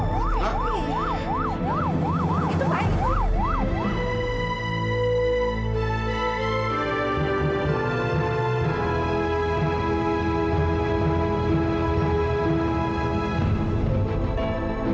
barangkali disini ribet ini kacau ga selalu